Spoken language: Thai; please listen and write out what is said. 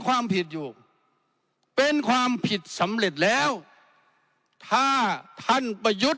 ความผิดอยู่เป็นความผิดสำเร็จแล้วถ้าท่านประยุทธ์